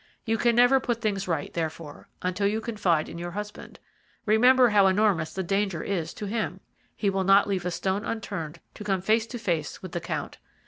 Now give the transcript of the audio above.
You can never put things right, therefore, until you confide in your husband. Remember how enormous the danger is to him. He will not leave a stone unturned to come face to face with the Count.